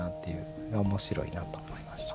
面白いなと思いました。